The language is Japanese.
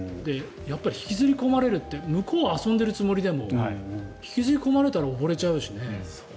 引きずり込まれるって向こうは遊んでいるつもりでも引きずり込まれたら溺れちゃうしね。